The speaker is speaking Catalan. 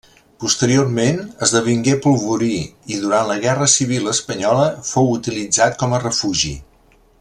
Posteriorment, esdevingué polvorí i, durant la Guerra Civil espanyola, fou utilitzat com a refugi.